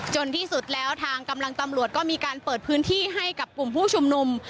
ที่สุดแล้วทางกำลังตำรวจก็มีการเปิดพื้นที่ให้กับกลุ่มผู้ชุมนุม